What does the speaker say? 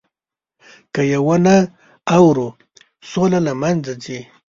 که یې ونه اورو، سوله له منځه ځي.